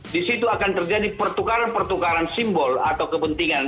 di situ akan terjadi pertukaran pertukaran simbol atau kepentingan